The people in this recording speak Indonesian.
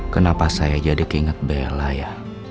kenapa saya jadi keinget bela ya